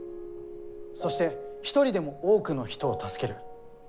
そして一人でも多くの人を助ける。